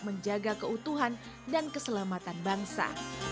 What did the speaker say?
menjaga keutuhan dan keselamatan bangsa